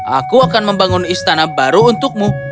aku akan membangun istana baru untukmu